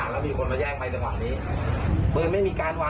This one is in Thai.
แล้วหลังจากนั้นถูกไปไหนต่อ